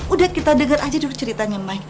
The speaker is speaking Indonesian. udah kita dengar aja dulu ceritanya maik